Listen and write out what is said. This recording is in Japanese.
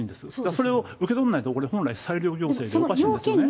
それを受け取らないとこれ、本来、裁量行政でまずいですね。